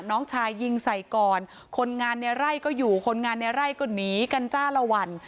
น้องชายยิงใส่ก่อนคนงานในไร่ก็อยู่คนงานในไร่ก็หนีกันจ้าละวัน